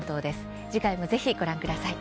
次回も、ぜひご覧ください。